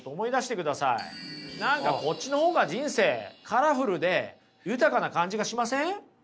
何かこっちの方が人生カラフルで豊かな感じがしません？